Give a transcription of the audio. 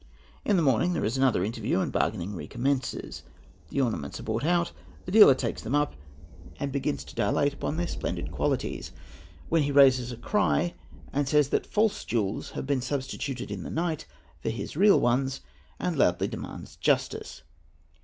In the morning there is another interview, and bargaining recommences. The ornaments are brought out. 'The dealer takes them up, and begins to dilate upon their splendid qualities, when he raises a cry and says that false jewels have been "substituted in the night for his real ones, and loudly demands justice.